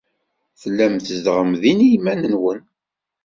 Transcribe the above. Tellam tzedɣem din i yiman-nwen.